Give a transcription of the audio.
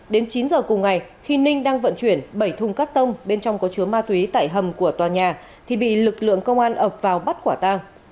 đến chín giờ cùng ngày khi ninh đang vận chuyển bảy thùng cắt tông bên trong có chứa ma túy tại hầm của tòa nhà thì bị lực lượng công an ập vào bắt quả tang